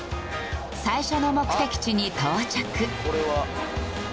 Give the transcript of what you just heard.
最初の目的地に到着。